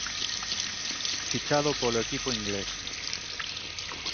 Fichado polo equipo inglés.